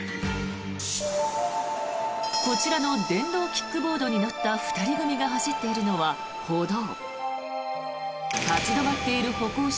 こちらの電動キックボードに乗った２人組が走っているのは歩道。